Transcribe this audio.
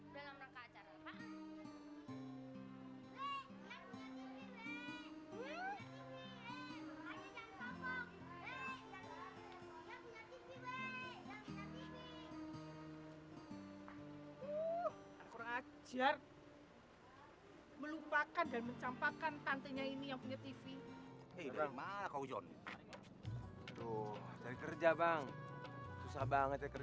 dalam rangka ajar